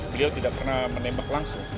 beliau tidak pernah menembak langsung